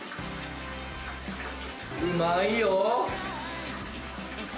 うまいよ！